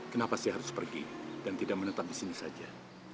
kenapa saya harus pergi dan tidak menetap di sini saja